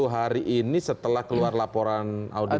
enam puluh hari ini setelah keluar laporan audit bpk